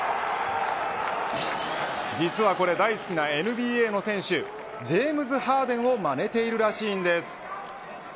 実はこれ、大好きなＮＢＡの選手ジェームズ・ハーデンをまねしているらしいんです。